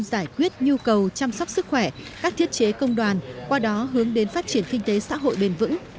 giải quyết nhu cầu chăm sóc sức khỏe các thiết chế công đoàn qua đó hướng đến phát triển kinh tế xã hội bền vững